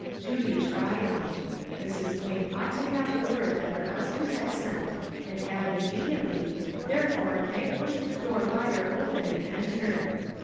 Duty triumphed; Mrs. Duane ought to have the word that her husband had sent, and have it immediately, therefore Mag pushed the door wider open and entered.